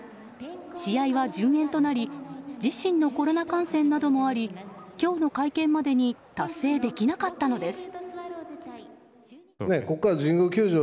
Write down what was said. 試合は順延となり自身のコロナ感染などもあり今日の会見までに達成できなかったのです。